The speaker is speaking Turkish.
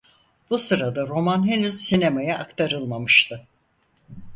Bu sırada roman henüz sinemaya aktarılmamıştı.